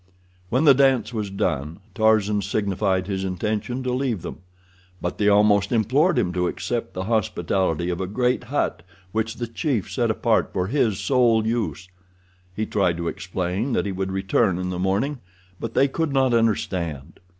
When the dance was done Tarzan signified his intention to leave them, but they almost implored him to accept the hospitality of a great hut which the chief set apart for his sole use. He tried to explain that he would return in the morning, but they could not understand.